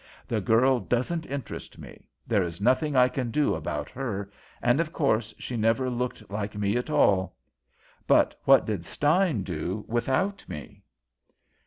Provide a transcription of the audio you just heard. "The girl doesn't interest me. There is nothing I can do about her, and of course she never looked like me at all. But what did Stein do without me?"